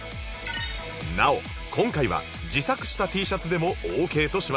なお今回は自作した Ｔ シャツでも ＯＫ とします